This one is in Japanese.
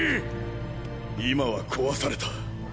現在は壊された。